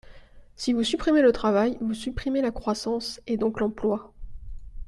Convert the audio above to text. Si vous supprimez le travail, vous supprimez la croissance, et donc l’emploi.